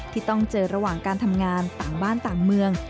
ที่ต้องเจอระหว่างการทำงานต่างบ้านต่างเมือง